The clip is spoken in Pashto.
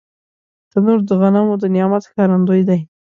تنور د غنمو د نعمت ښکارندوی دی